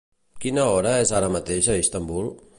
Quina hora és ara mateix a Istanbul?